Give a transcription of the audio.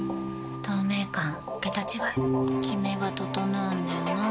透明感桁違いキメが整うんだよな。